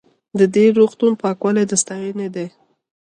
د دې روغتون پاکوالی د ستاینې دی.